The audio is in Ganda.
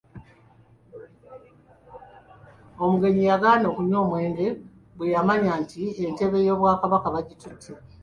Omugenyi yagaana okunywa omwenge bweyamanya nti entebe y’Obwakabaka bagitutte.